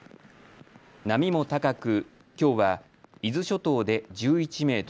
波も高く今日は伊豆諸島で１１ｍ